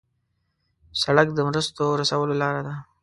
سړک د مرستو رسولو لار ده.